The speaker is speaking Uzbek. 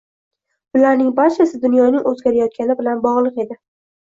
Bularning barchasi dunyoning oʻzgarayotgani bilan bogʻliq edi.